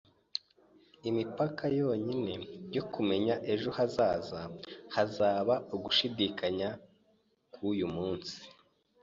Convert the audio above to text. Imipaka yonyine yo kumenya ejo hazaza hazaba ugushidikanya kwuyu munsi.